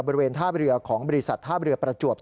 บริเวณท่าเรือของบริษัทท่าเรือประจวบ